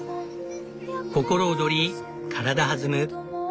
心躍り体弾む